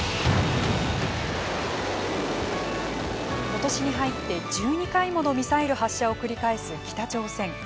ことしに入って１２回ものミサイル発射を繰り返す北朝鮮。